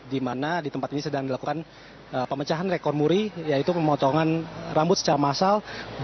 di mana di tempat ini sedang dilakukan pemecahan rekor muri yaitu pemotongan rambut secara massal